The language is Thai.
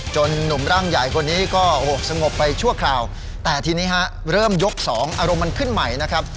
หนุ่มร่างใหญ่คนนี้ก็สงบไปชั่วคราวแต่ทีนี้ฮะเริ่มยกสองอารมณ์มันขึ้นใหม่นะครับ